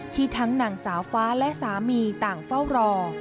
ทั้งนางสาวฟ้าและสามีต่างเฝ้ารอ